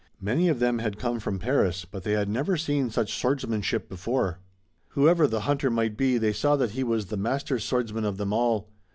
Many of them had come from Paris, but they had never seen such swordsmanship before. Whoever the hunter might be they saw that he was the master swordsman of them all.